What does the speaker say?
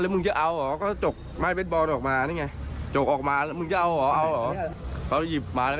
มาเจาะจงเลยครับ